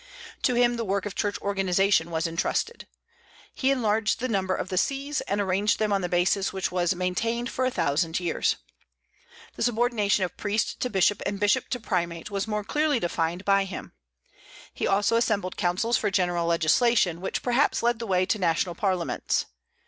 To him the work of church organization was intrusted. He enlarged the number of the sees, and arranged them on the basis which was maintained for a thousand years. The subordination of priest to bishop and bishop to primate was more clearly defined by him. He also assembled councils for general legislation, which perhaps led the way to national parliaments.